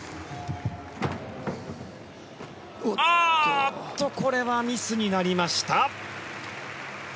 あっとこれはミスになりました。